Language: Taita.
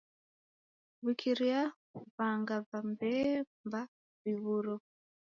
W'ikiria vanga va bemba viw'uro